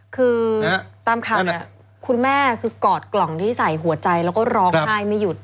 คือตามคำคุณแม่กอดกล่องที่ใส่หัวใจแล้วก็ร้องไห้ไม่หยุด